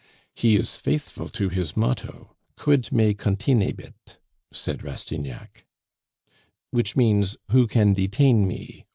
"He is faithful to his motto: Quid me continebit?" said Rastignac. "Which means, 'Who can detain me?